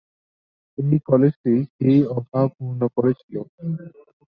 এই কলেজটি সেই অভাব পূর্ন করেছিল।